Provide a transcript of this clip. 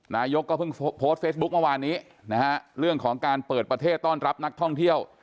นายกก็เพิ่งโพสต์เฟซบุ๊คเมื่อวานนี้นะฮะเรื่องของการเปิดประเทศต้อนรับนักท่องเที่ยว